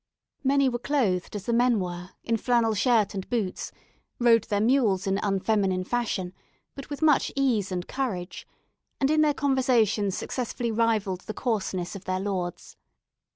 Many were clothed as the men were, in flannel shirt and boots; rode their mules in unfeminine fashion, but with much ease and courage; and in their conversation successfully rivalled the coarseness of their lords.